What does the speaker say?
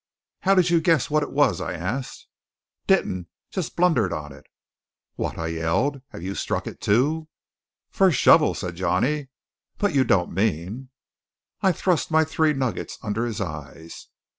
"How did you guess what it was?" I asked. "Didn't. Just blundered on it." "What!" I yelled. "Have you struck it, too?" "First shovel," said Johnny. "But you don't mean " I thrust my three nuggets under his eyes.